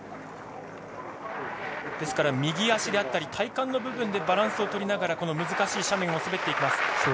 ですから右足であったり体幹の部分でバランスを取りながら難しい斜面を滑ります。